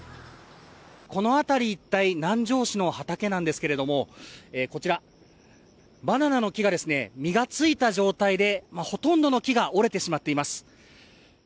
この辺り一帯、南城市の畑なんですけれども、こちら、バナナの木が実がついた状態でほとんどの木が折れてしまっています。